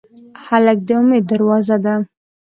هلک د امید دروازه ده.